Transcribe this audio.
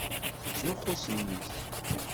Tettzuxxu s mmi-s.